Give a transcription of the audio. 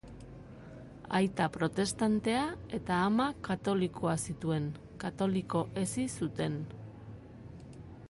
Aita protestantea eta ama katolikoa zituen; katoliko hezi zuten.